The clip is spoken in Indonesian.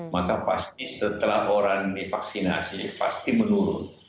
maka pasti setelah orang divaksinasi pasti menurun